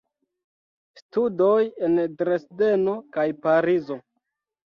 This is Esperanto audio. Studoj en Dresdeno kaj Parizo.